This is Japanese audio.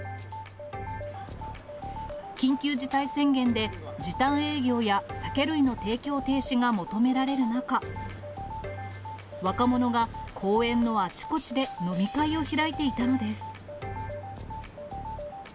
緊急事態宣言で、時短営業や酒類の提供停止が求められる中、若者が公園のあちこちで飲み会を開いていたのです。